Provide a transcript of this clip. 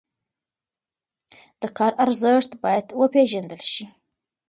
د کار ارزښت باید وپېژندل شي.